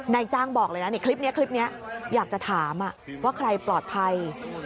นายจ้างบอกเลยนะคลิปนี้คลิปนี้อยากจะถามว่าใครปลอดภัย